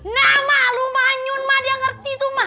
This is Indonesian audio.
nah ma lumanyun ma dia ngerti tuh ma